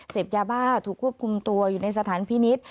เสพยาบ้าถูกควบคุมตัวอยู่ในสถานพินิษฐ์